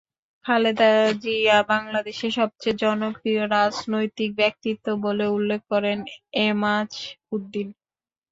খালেদা জিয়া বাংলাদেশের সবচেয়ে জনপ্রিয় রাজনৈতিক ব্যক্তিত্ব বলে উল্লেখ করেন এমাজউদ্দীন।